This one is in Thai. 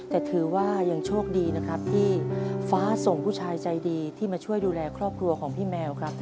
แต่ถือว่ายังโชคดีนะครับที่ฟ้าส่งผู้ชายใจดีที่มาช่วยดูแลครอบครัวของพี่แมวครับ